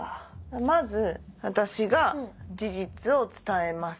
まず私が事実を伝えます。